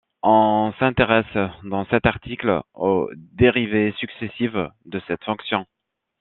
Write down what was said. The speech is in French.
On s'intéresse dans cet article aux dérivées successives de cette fonction.